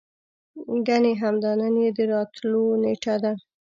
ګني همدا نن يې د راتللو نېټه ده.